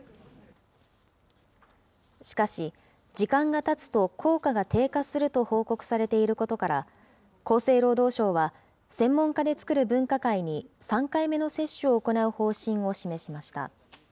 しかし、時間がたつと効果が低下すると報告されていることから、厚生労働省は専門家で作る分科会に３回目の接種を行う方針を示しました。